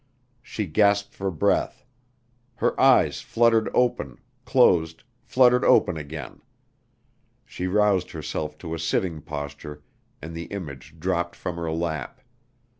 She gasped for breath. Her eyes fluttered open, closed, fluttered open again. She roused herself to a sitting posture and the image dropped from her lap.